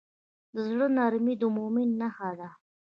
د زړه نرمي د مؤمن نښه ده.